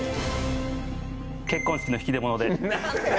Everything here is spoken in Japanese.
「結婚式の引き出物」で。